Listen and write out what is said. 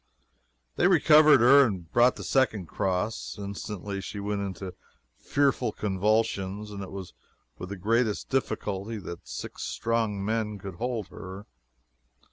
They recovered her and brought the second cross. Instantly she went into fearful convulsions, and it was with the greatest difficulty that six strong men could hold her.